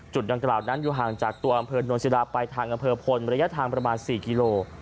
จุดรางกล่าวอยู่ห่างจากตัวอำเภอนตร์นอนสิราไปทางอำเภอพลระยะทาง๔กิโล